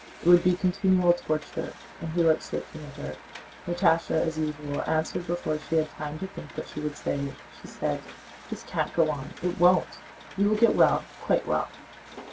It would be continual torture." And he looked searchingly at her. Natásha as usual answered before she had time to think what she would say. She said: "This can't go on—it won't. You will get well—quite well."